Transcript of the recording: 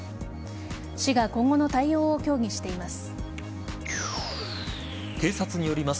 市が今後の対応を協議しています。